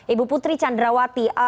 ibu putri candrawati